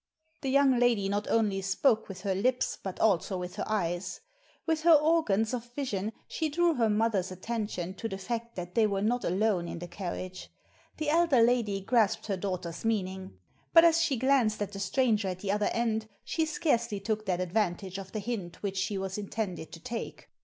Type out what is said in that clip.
The young lady not only spoke with her lips, but also with her eyes. With her organs of vision she drew her mother's attention to the fact that they were not alone in the carriage. The elder lady grasped her daughter's meaning. But as she glanced at the stranger at the other end, she scarcely took that ad vantage of the hint which she was intended to take.